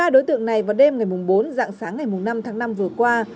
một mươi ba đối tượng này vào đêm ngày bốn dạng sáng ngày năm tháng năm vừa qua